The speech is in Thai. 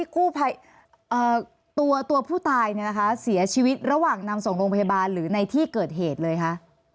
กู้ภัยตัวผู้ตายเนี่ยนะคะเสียชีวิตระหว่างนำส่งโรงพยาบาลหรือในที่เกิดเหตุเลยคะ